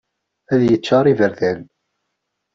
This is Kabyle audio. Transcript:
Ad yeččar iberdan.